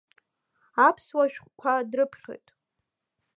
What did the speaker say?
Аԥсуа шәҟәқәа дрыԥхьоит.